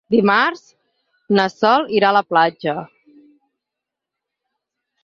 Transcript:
Dimarts na Sol irà a la platja.